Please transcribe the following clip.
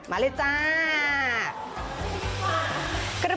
มาเลยจ้า